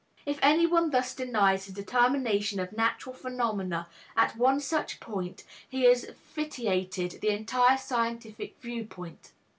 If any one thus denies the determination of natural phenomena at one such point, he has vitiated the entire scientific viewpoint.